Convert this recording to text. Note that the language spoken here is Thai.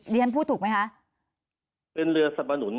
สนับสนุน